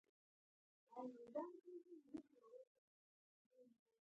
انګلیسي د پوهانو مقالو ژبه ده